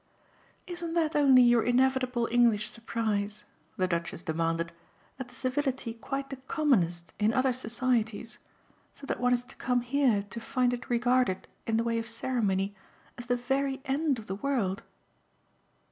"Isn't that only your inevitable English surprise," the Duchess demanded, "at the civility quite the commonest in other societies? so that one has to come here to find it regarded, in the way of ceremony, as the very end of the world!"